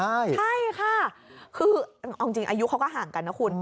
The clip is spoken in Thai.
ใช่ค่ะคือเอาจริงอายุเขาก็ห่างกันนะคุณ